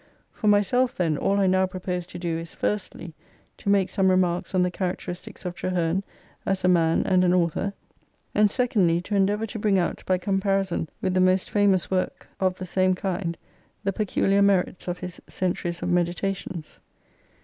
For myself then all I now propose to do is, firstly, to make some remarks on the characteristics of Traheme as a man and an author ; and secondly, to endeavour to bring out, by comparison with the most famous work Tiii of the same kind, the peculiar merits of his " Centuries of Meditations."